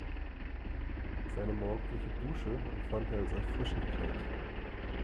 Seine morgendliche Dusche empfand er als erfrischend kalt.